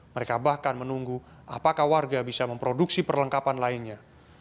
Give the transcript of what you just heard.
mereka bahkan menunggu apakah warga bisa memproduksi perlengkapan lainnya